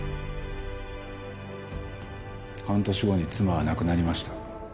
半年後に妻は亡くなりました。